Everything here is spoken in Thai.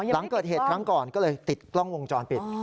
หลังเกิดเหตุครั้งก่อนก็เลยติดกล้องวงจรปิด